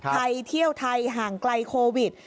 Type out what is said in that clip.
ไทยเที่ยวไทยห่างไกลโควิด